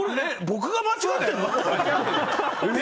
僕が間違ってるの？